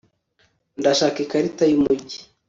ndashaka ikarita yumujyi